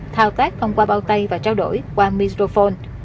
thao tác thông qua bao tay và trao đổi qua mitophone